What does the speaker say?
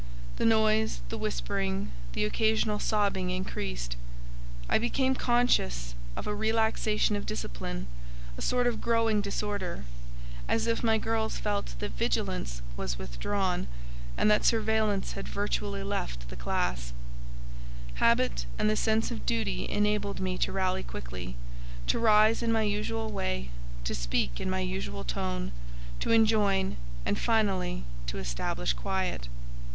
The noise, the whispering, the occasional sobbing increased. I became conscious of a relaxation of discipline, a sort of growing disorder, as if my girls felt that vigilance was withdrawn, and that surveillance had virtually left the classe. Habit and the sense of duty enabled me to rally quickly, to rise in my usual way, to speak in my usual tone, to enjoin, and finally to establish quiet.